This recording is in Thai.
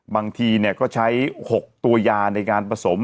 บางทีก็ใช้๖ตัวยาในการผสม